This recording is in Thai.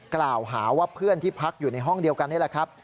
กล่าวหาว่าเพื่อนที่พักอยู่ในห้องเดียวกันนี่แหละครับ